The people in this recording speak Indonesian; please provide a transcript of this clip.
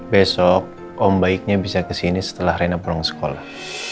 besok om baiknya bisa kesini setelah rena pulang sekolah